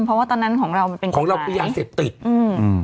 เพราะว่าตอนนั้นของเรามันเป็นกฎหมายของเราก็ยังเสพติดอืมอืม